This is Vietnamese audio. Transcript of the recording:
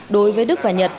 đối với đức và nhật